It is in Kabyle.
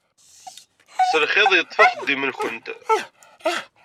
S lxiḍ i yeṭṭef uxeddim-nkent.